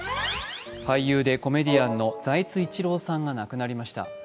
俳優でコメディアンの財津一郎さんが亡くなりました。